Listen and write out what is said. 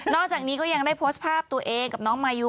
อกจากนี้ก็ยังได้โพสต์ภาพตัวเองกับน้องมายู